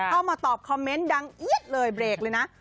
เข้ามาตอบคอมเมนต์ดังเอี๊ยดเลยเบรกเลยนะ